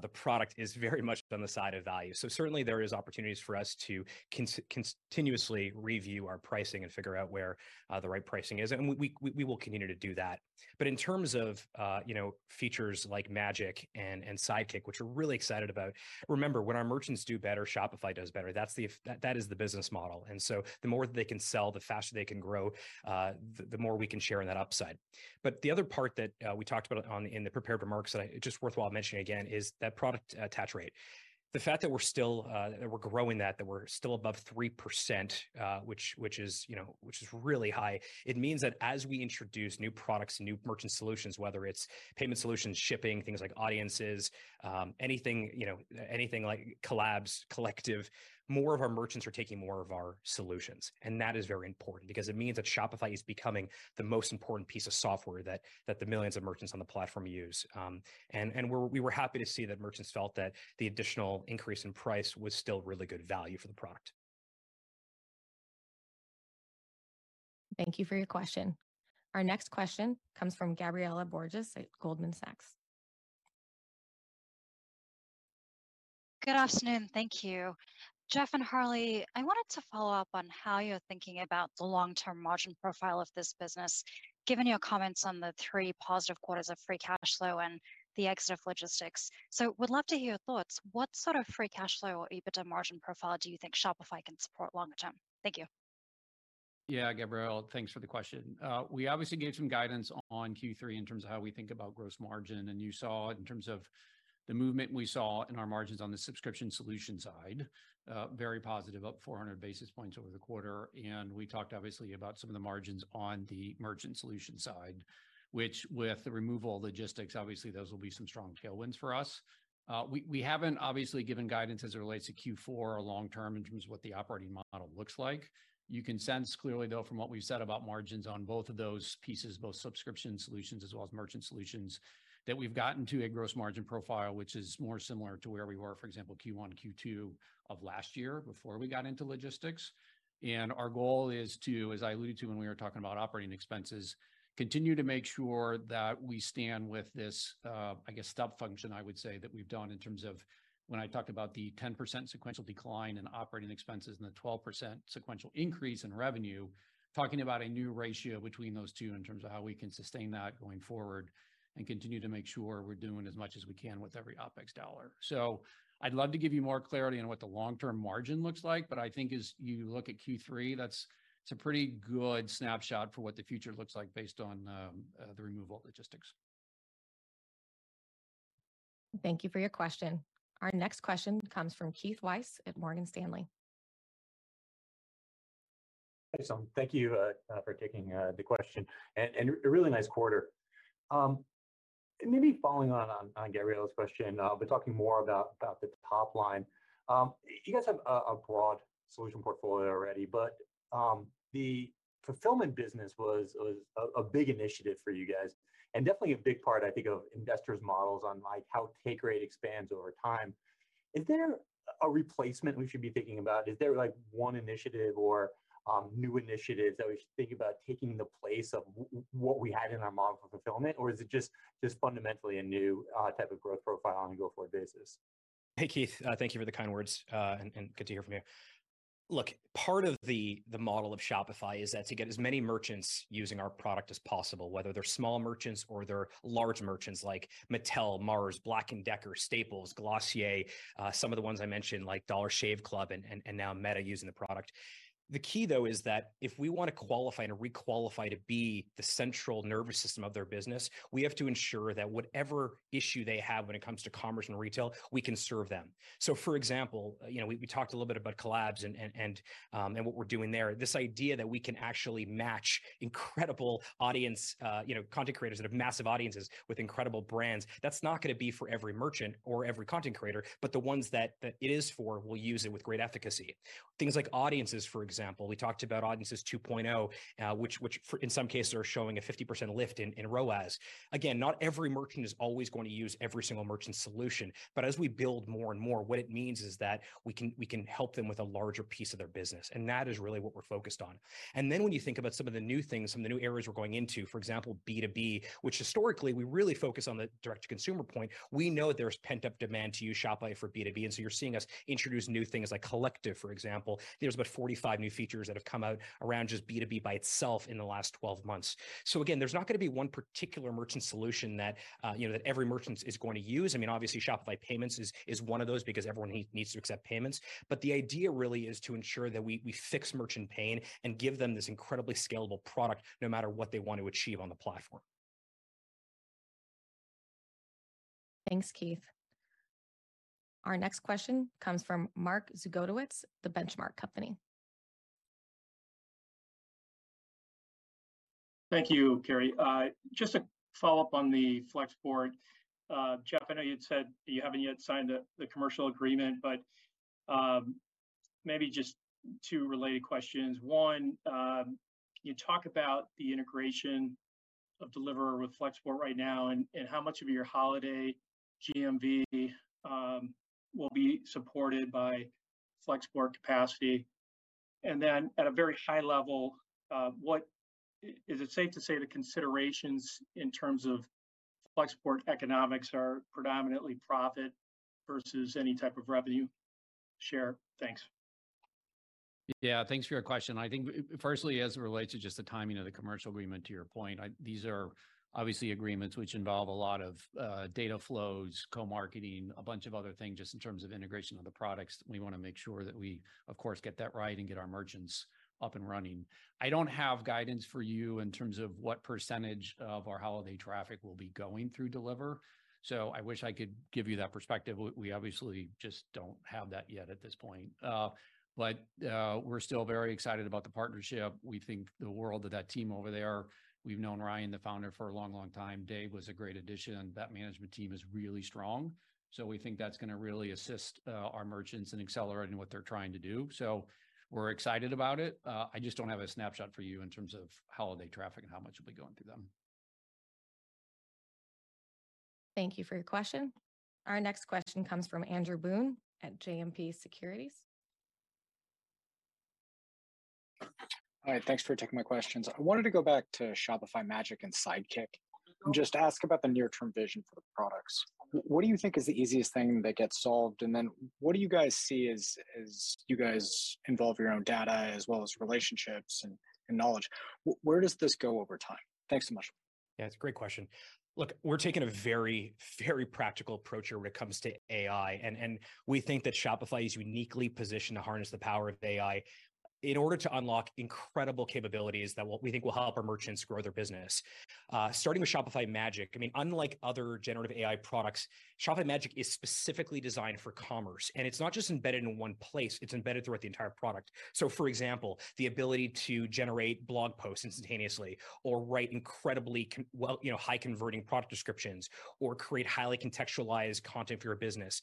the product, is very much on the side of value. Certainly, there is opportunities for us to continuously review our pricing and figure out where the right pricing is, and we, we, we will continue to do that. In terms of, you know, features like Magic and Sidekick, which we're really excited about. Remember, when our merchants do better, Shopify does better. That's the, that is the business model, and so the more they can sell, the faster they can grow, the, the more we can share in that upside. The other part that we talked about on, in the prepared remarks, that just worthwhile mentioning again, is that product attach rate. The fact that we're still, that we're growing that, that we're still above 3%, which, which is, you know, which is really high. It means that as we introduce new products, new merchant solutions, whether it's payment solutions, shipping, things like audiences, anything, you know, anything like collabs, collective, more of our merchants are taking more of our solutions. That is very important because it means that Shopify is becoming the most important piece of software that, that the millions of merchants on the platform use. We were happy to see that merchants felt that the additional increase in price was still really good value for the product. Thank you for your question. Our next question comes from Gabriela Borges at Goldman Sachs. Good afternoon. Thank you. Jeff and Harley, I wanted to follow up on how you're thinking about the long-term margin profile of this business, given your comments on the 3 positive quarters of free cash flow and the exit of logistics. Would love to hear your thoughts. What sort of free cash flow or EBITDA margin profile do you think Shopify can support long term? Thank you. Yeah, Gabrielle, thanks for the question. We obviously gave some guidance on Q3 in terms of how we think about gross margin, and you saw in terms of the movement we saw in our margins on the subscription solution side, very positive, up 400 basis points over the quarter. We talked obviously about some of the margins on the merchant solution side, which with the removal of logistics, obviously, those will be some strong tailwinds for us. We, we haven't obviously given guidance as it relates to Q4 or long term in terms of what the operating model looks like. You can sense clearly, though, from what we've said about margins on both of those pieces, both subscription solutions as well as merchant solutions, that we've gotten to a gross margin profile, which is more similar to where we were, for example, Q1, Q2 of last year, before we got into logistics. Our goal is to, as I alluded to when we were talking about operating expenses, continue to make sure that we stand with this, I guess, step function, I would say, that we've done in terms of when I talked about the 10% sequential decline in operating expenses and the 12% sequential increase in revenue. Talking about a new ratio between those two in terms of how we can sustain that going forward, and continue to make sure we're doing as much as we can with every OpEx dollar. I'd love to give you more clarity on what the long-term margin looks like, but I think as you look at Q3, it's a pretty good snapshot for what the future looks like based on the removal of logistics. Thank you for your question. Our next question comes from Keith Weiss at Morgan Stanley. Awesome. Thank you for taking the question, and a really nice quarter. Maybe following on Gabriela's question, but talking more about the top line. You guys have a broad solution portfolio already, but the fulfillment business was a big initiative for you guys, and definitely a big part, I think, of investors' models on, like, how take rate expands over time. Is there a replacement we should be thinking about? Is there, like, one initiative or new initiatives that we should think about taking the place of what we had in our model for fulfillment, or is it just fundamentally a new type of growth profile on a go-forward basis? Hey, Keith, thank you for the kind words, and good to hear from you. Look, part of the model of Shopify is that to get as many merchants using our product as possible, whether they're small merchants or they're large merchants, like Mattel, Mars, Black & Decker, Staples, Glossier, some of the ones I mentioned, like Dollar Shave Club, and, now Meta using the product. The key, though, is that if we want to qualify and requalify to be the central nervous system of their business, we have to ensure that whatever issue they have when it comes to commerce and retail, we can serve them. So for example, you know, we, we talked a little bit about collabs and, and, and what we're doing there. This idea that we can actually match incredible audience, you know, content creators that have massive audiences with incredible brands, that's not gonna be for every merchant or every content creator, but the ones that, that it is for will use it with great efficacy. Things like Audiences, for example, we talked about Audiences 2.0, which in some cases, are showing a 50% lift in ROAS. Not every merchant is always going to use every single merchant solution, but as we build more and more, what it means is that we can, we can help them with a larger piece of their business, and that is really what we're focused on. Then when you think about some of the new things, some of the new areas we're going into, for example, B2B, which historically we really focus on the direct-to-consumer point, we know there's pent-up demand to use Shopify for B2B, and so you're seeing us introduce new things like Collective, for example. There's about 45 new features that have come out around just B2B by itself in the last 12 months. Again, there's not gonna be one particular merchant solution that, you know, that every merchant is going to use. I mean, obviously, Shopify Payments is, is one of those because everyone needs to accept payments. The idea really is to ensure that we, we fix merchant pain and give them this incredibly scalable product, no matter what they want to achieve on the platform. Thanks, Keith. Our next question comes from Mark Zgutowicz, The Benchmark Company. Thank you, Carrie. Just a follow-up on the Flexport. Jeff, I know you'd said that you haven't yet signed the, the commercial agreement, maybe just two related questions. One, you talk about the integration of Deliverr with Flexport right now, how much of your holiday GMV will be supported by Flexport capacity? At a very high level, is it safe to say the considerations in terms of Flexport economics are predominantly profit versus any type of revenue share? Thanks. Yeah, thanks for your question. I think firstly, as it relates to just the timing of the commercial agreement, to your point, these are obviously agreements which involve a lot of data flows, co-marketing, a bunch of other things, just in terms of integration of the products. We wanna make sure that we, of course, get that right and get our merchants up and running. I don't have guidance for you in terms of what % of our holiday traffic will be going through Deliverr. I wish I could give you that perspective. We obviously just don't have that yet at this point. We're still very excited about the partnership. We think the world of that team over there. We've known Ryan, the founder, for a long, long time. Dave was a great addition. That management team is really strong, so we think that's going to really assist our merchants in accelerating what they're trying to do. We're excited about it. I just don't have a snapshot for you in terms of holiday traffic and how much will be going through them. Thank you for your question. Our next question comes from Andrew Boone at JMP Securities. All right. Thanks for taking my questions. I wanted to go back to Shopify Magic and Sidekick and just ask about the near-term vision for the products. What do you think is the easiest thing that gets solved, and then what do you guys see as you guys involve your own data as well as relationships and knowledge? Where does this go over time? Thanks so much. Yeah, it's a great question. Look, we're taking a very, very practical approach here when it comes to AI, and we think that Shopify is uniquely positioned to harness the power of AI in order to unlock incredible capabilities that we think will help our merchants grow their business. Starting with Shopify Magic, I mean, unlike other generative AI products, Shopify Magic is specifically designed for commerce, and it's not just embedded in one place, it's embedded throughout the entire product. For example, the ability to generate blog posts instantaneously or write incredibly well, you know, high-converting product descriptions or create highly contextualized content for your business.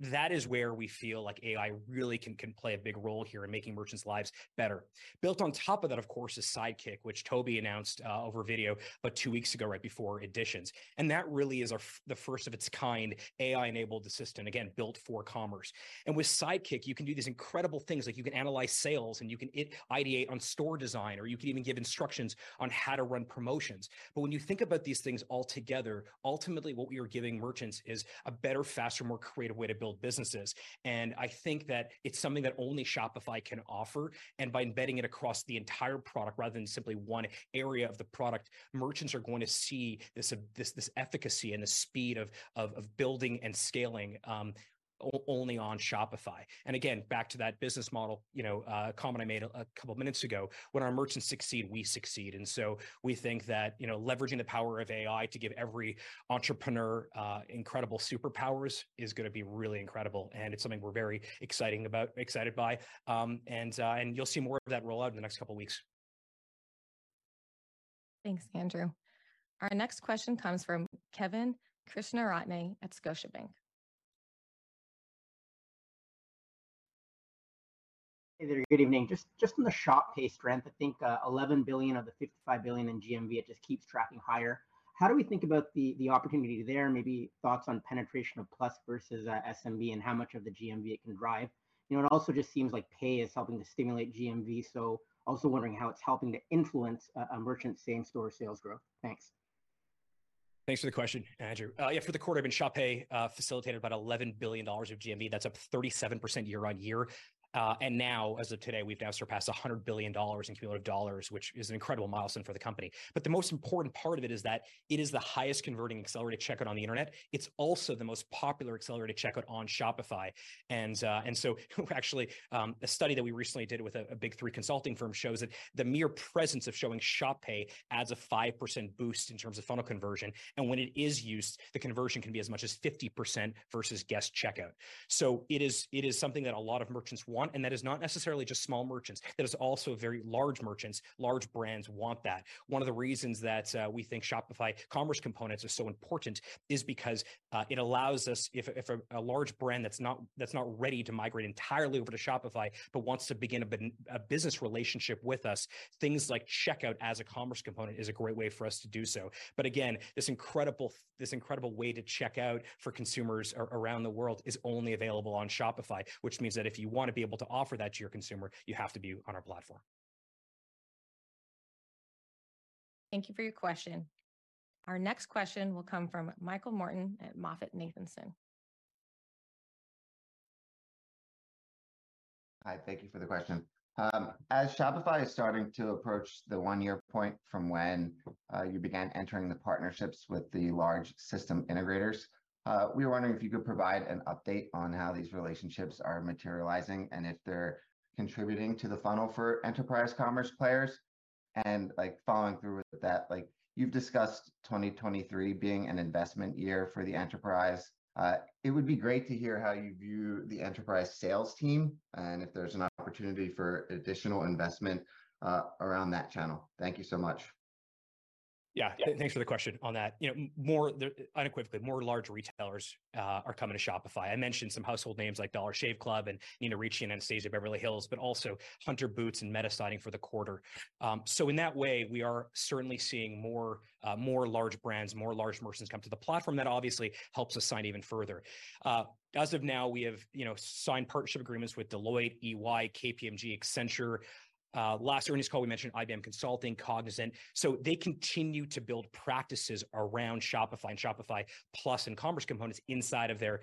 That is where we feel like AI really can, can play a big role here in making merchants' lives better. Built on top of that, of course, is Sidekick, which Tobi announced over video about two weeks ago, right before Editions, that really is the first of its kind AI-enabled assistant, again, built for commerce. With Sidekick, you can do these incredible things, like you can analyze sales, and you can ideate on store design, or you can even give instructions on how to run promotions. When you think about these things altogether, ultimately, what we are giving merchants is a better, faster, more creative way to build businesses. I think that it's something that only Shopify can offer, and by embedding it across the entire product rather than simply one area of the product, merchants are going to see this, this, this efficacy and the speed of building and scaling only on Shopify. Again, back to that business model, you know, comment I made a couple of minutes ago, when our merchants succeed, we succeed. So we think that, you know, leveraging the power of AI to give every entrepreneur, incredible superpowers is gonna be really incredible, and it's something we're very excited by. You'll see more of that roll out in the next couple weeks.... Thanks, Andrew. Our next question comes from Kevin Krishnaratne at Scotiabank. Hey there, good evening. Just, just on the Shop Pay strength, I think, $11 billion of the $55 billion in GMV, it just keeps tracking higher. How do we think about the opportunity there, and maybe thoughts on penetration of Plus versus SMB and how much of the GMV it can drive? You know, it also just seems like Pay is helping to stimulate GMV, so also wondering how it's helping to influence a merchant's same-store sales growth. Thanks. Thanks for the question, Andrew. Yeah, for the quarter, I mean, Shop Pay facilitated about $11 billion of GMV. That's up 37% year-on-year. Now, as of today, we've now surpassed $100 billion in cumulative dollars, which is an incredible milestone for the company. The most important part of it is that it is the highest converting accelerated checkout on the internet. It's also the most popular accelerated checkout on Shopify. Actually, a study that we recently did with a big three consulting firm shows that the mere presence of showing Shop Pay adds a 5% boost in terms of funnel conversion, and when it is used, the conversion can be as much as 50% versus guest checkout. It is, it is something that a lot of merchants want, and that is not necessarily just small merchants. That is also very large merchants, large brands want that. One of the reasons that we think Shopify Commerce Components are so important is because it allows us, if, if a, a large brand that's not, that's not ready to migrate entirely over to Shopify but wants to begin a business relationship with us, things like checkout as a commerce component is a great way for us to do so. Again, this incredible this incredible way to check out for consumers around the world is only available on Shopify, which means that if you want to be able to offer that to your consumer, you have to be on our platform. Thank you for your question. Our next question will come from Michael Morton at MoffettNathanson. Hi, thank you for the question. As Shopify is starting to approach the one year point from when you began entering the partnerships with the large system integrators, we were wondering if you could provide an update on how these relationships are materializing and if they're contributing to the funnel for enterprise commerce players. Like, following through with that, like, you've discussed 2023 being an investment year for the enterprise. It would be great to hear how you view the enterprise sales team and if there's an opportunity for additional investment around that channel. Thank you so much. Yeah. Thanks for the question on that. You know, more unequivocally, more large retailers are coming to Shopify. I mentioned some household names like Dollar Shave Club and Nina Ricci, and Anastasia Beverly Hills, but also Hunter Boots and Meta citing for the quarter. In that way, we are certainly seeing more large brands, more large merchants come to the platform. That obviously helps us sign even further. As of now, we have, you know, signed partnership agreements with Deloitte, EY, KPMG, Accenture. Last earnings call, we mentioned IBM Consulting, Cognizant. They continue to build practices around Shopify and Shopify Plus and Commerce Components inside of their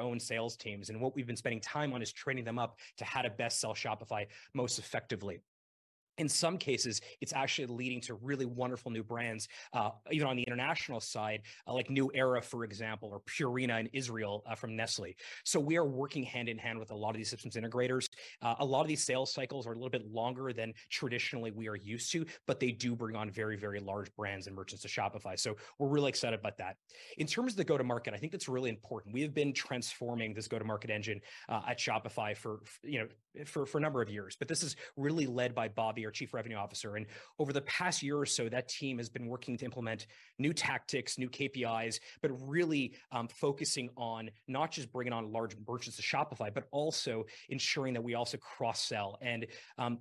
own sales teams, and what we've been spending time on is training them up to how to best sell Shopify most effectively. In some cases, it's actually leading to really wonderful new brands, even on the international side, like New Era, for example, or Purina in Israel, from Nestlé. We are working hand-in-hand with a lot of these systems integrators. A lot of these sales cycles are a little bit longer than traditionally we are used to, they do bring on very, very large brands and merchants to Shopify, so we're really excited about that. In terms of the go-to-market, I think that's really important. We have been transforming this go-to-market engine at Shopify for, you know, for, for a number of years, this is really led by Bobby, our Chief Revenue Officer. Over the past year or so, that team has been working to implement new tactics, new KPIs, but really, focusing on not just bringing on large merchants to Shopify but also ensuring that we also cross-sell.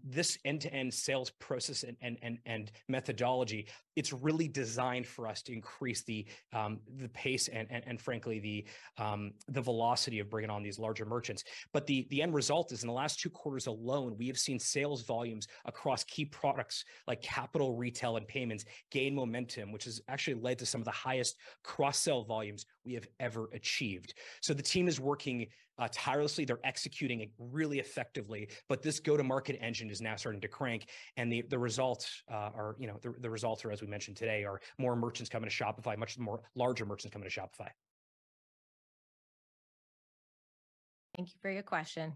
This end-to-end sales process and, and, and, and methodology, it's really designed for us to increase the, the pace and, frankly, the, the velocity of bringing on these larger merchants. The, the end result is, in the last two quarters alone, we have seen sales volumes across key products like Capital, retail, and Payments gain momentum, which has actually led to some of the highest cross-sell volumes we have ever achieved. The team is working tirelessly. They're executing it really effectively, but this go-to-market engine is now starting to crank, and the, the results, are, you know, the, the results are, as we mentioned today, are more merchants coming to Shopify, much more larger merchants coming to Shopify. Thank you for your question.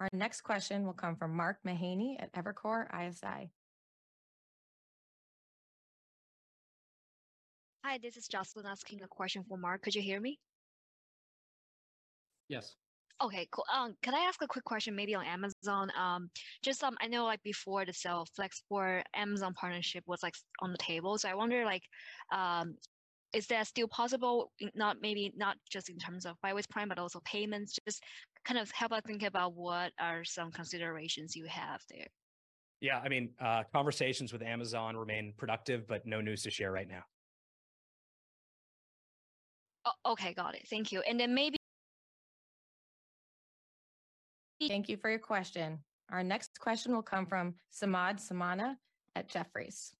Our next question will come from Mark Mahaney at Evercore ISI. Hi, this is Jocelyn asking a question for Mark. Could you hear me? Yes. Okay, cool. Could I ask a quick question, maybe on Amazon? Just I know, before the sale, Flexport-Amazon partnership was on the table. I wonder, is that still possible? N- not maybe not just in terms of Buy with Prime, but also payments. Just kind of help us think about what are some considerations you have there. Yeah, I mean, conversations with Amazon remain productive, but no news to share right now. Okay, got it. Thank you. Then maybe. Thank you for your question. Our next question will come from Samad Samana at Jefferies.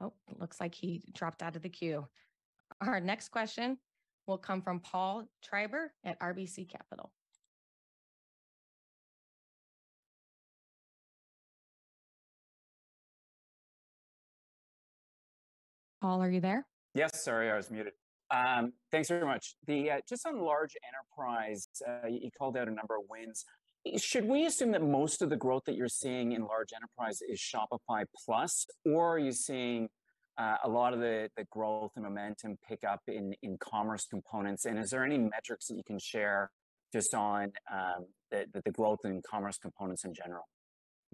Oh, it looks like he dropped out of the queue. Our next question will come from Paul Treiber at RBC Capital. Paul, are you there? Yes, sorry, I was muted. Thanks very much. Just on large enterprise, you called out a number of wins. Should we assume that most of the growth that you're seeing in large enterprise is Shopify Plus, or are you seeing- ... a lot of the, the growth and momentum pick up in, in Commerce Components. Is there any metrics that you can share just on, the, the, the growth in Commerce Components in general?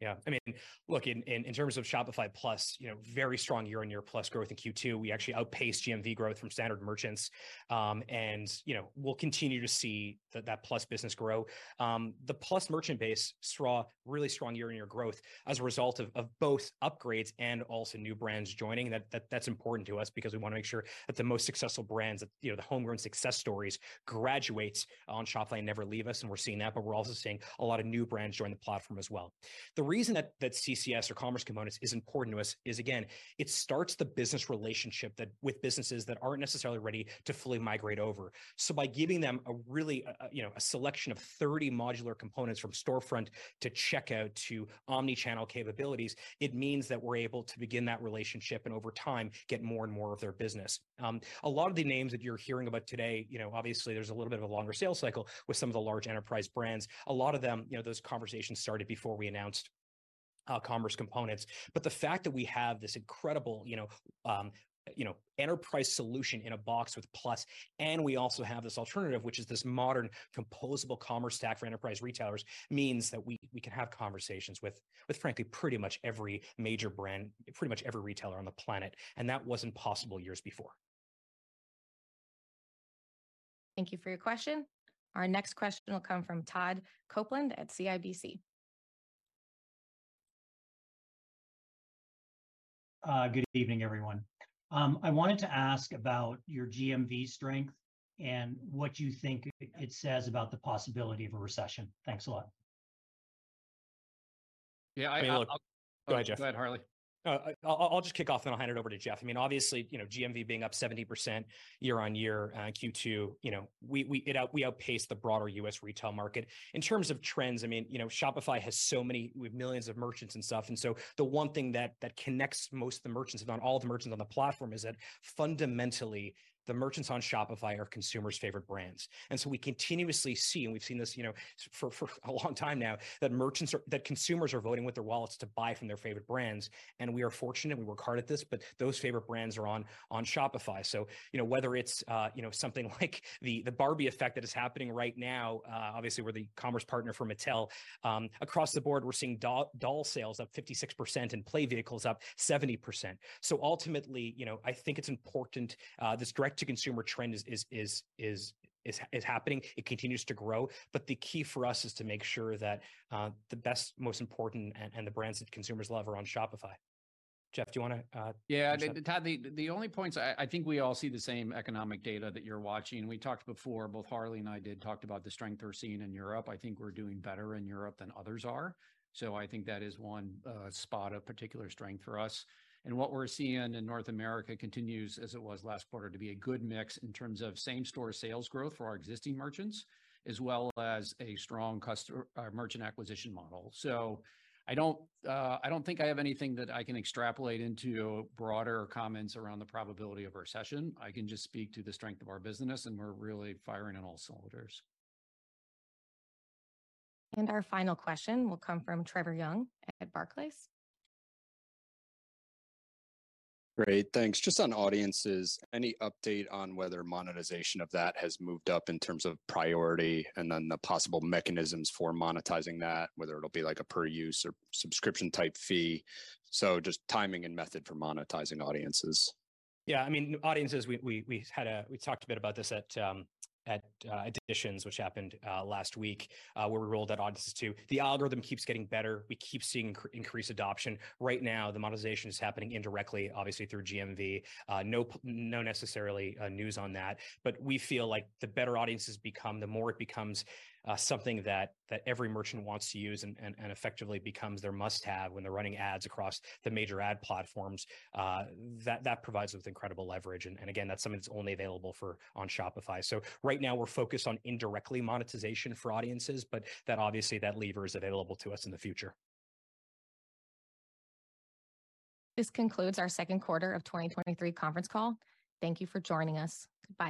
Yeah, I mean, look, in terms of Shopify Plus, you know, very strong year-on-year Plus growth in Q2. We actually outpaced GMV growth from standard merchants. You know, we'll continue to see that Plus business grow. The Plus merchant base saw really strong year-on-year growth as a result of both upgrades and also new brands joining. That's important to us because we wanna make sure that the most successful brands, you know, the homegrown success stories, graduates on Shopify never leave us, and we're seeing that. We're also seeing a lot of new brands join the platform as well. The reason that CCS or Commerce Components is important to us is, again, it starts the business relationship that with businesses that aren't necessarily ready to fully migrate over. By giving them a really, you know, a selection of 30 modular components from storefront to checkout to omni-channel capabilities, it means that we're able to begin that relationship, and over time, get more and more of their business. A lot of the names that you're hearing about today, you know, obviously there's a little bit of a longer sales cycle with some of the large enterprise brands. A lot of them, you know, those conversations started before we announced Commerce Components. The fact that we have this incredible, you know, you know, enterprise solution in a box with Plus, and we also have this alternative, which is this modern composable commerce stack for enterprise retailers, means that we, we can have conversations with, with frankly pretty much every major brand, pretty much every retailer on the planet, and that wasn't possible years before. Thank you for your question. Our next question will come from Todd Coupland at CIBC. Good evening, everyone. I wanted to ask about your GMV strength and what you think it, it says about the possibility of a recession. Thanks a lot. Yeah, I... Go ahead, Jeff. Go ahead, Harley. I'll just kick off, then I'll hand it over to Jeff. I mean, obviously, you know, GMV being up 70% year-on-year, Q2, you know, we outpaced the broader U.S. retail market. In terms of trends, I mean, you know, Shopify has so many... We have millions of merchants and stuff, and so the one thing that, that connects most of the merchants, if not all the merchants on the platform, is that fundamentally, the merchants on Shopify are consumers' favorite brands. We continuously see, and we've seen this, you know, for, for a long time now, that consumers are voting with their wallets to buy from their favorite brands, and we are fortunate, and we work hard at this, but those favorite brands are on, on Shopify. You know, whether it's, you know, something like the Barbie effect that is happening right now, obviously, we're the commerce partner for Mattel. Across the board, we're seeing doll sales up 56% and play vehicles up 70%. Ultimately, you know, I think it's important, this direct-to-consumer trend is happening. It continues to grow, but the key for us is to make sure that the best, most important, and the brands that consumers love are on Shopify. Jeff, do you wanna Yeah. Sure. Todd, the only points I think we all see the same economic data that you're watching. We talked before, both Harley and I did, talked about the strength we're seeing in Europe. I think we're doing better in Europe than others are. I think that is one spot of particular strength for us. What we're seeing in North America continues, as it was last quarter, to be a good mix in terms of same-store sales growth for our existing merchants, as well as a strong customer merchant acquisition model. I don't, I don't think I have anything that I can extrapolate into broader comments around the probability of a recession. I can just speak to the strength of our business, and we're really firing on all cylinders. Our final question will come from Trevor Young at Barclays. Great, thanks. Just on audiences, any update on whether monetization of that has moved up in terms of priority, and then the possible mechanisms for monetizing that, whether it'll be like a per-use or subscription-type fee? Just timing and method for monetizing audiences? Yeah, I mean, Audiences, we had we talked a bit about this at Editions, which happened last week, where we rolled out Audiences 2.0. The algorithm keeps getting better. We keep seeing increased adoption. Right now, the monetization is happening indirectly, obviously, through GMV. No, no necessarily news on that, but we feel like the better Audiences become, the more it becomes something that, that every merchant wants to use and, and, and effectively becomes their must-have when they're running ads across the major ad platforms. That, that provides us with incredible leverage, and, and again, that's something that's only available for on Shopify. Right now, we're focused on indirectly monetization for Audiences, but that obviously, that lever is available to us in the future. This concludes our second quarter of 2023 conference call. Thank you for joining us. Goodbye.